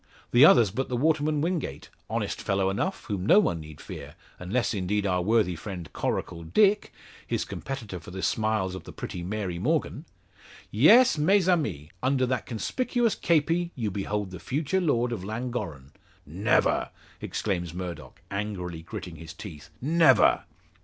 The other's but the waterman Wingate honest fellow enough, whom no one need fear unless indeed our worthy friend Coracle Dick, his competitor for the smiles of the pretty Mary Morgan. Yes, mes amis! Under that conspicuous kepi you behold the future lord of Llangorren." "Never!" exclaims Murdock, angrily gritting his teeth. "Never!"